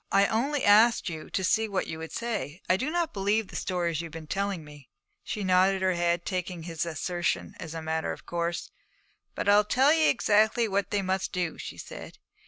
'I only asked you to see what you would say. I do not believe the stories you have been telling me.' She nodded her head, taking his assertion as a matter of course. 'But I'll tell you exactly what they must do,' she said.